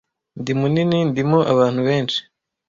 (Ndi munini, ndimo abantu benshi.)